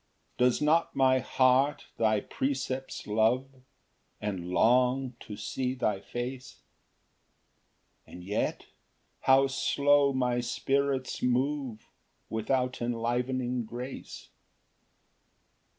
5 Does not my heart thy precepts love, And long to see thy face? And yet how slow my spirits move Without enlivening grace! Ver.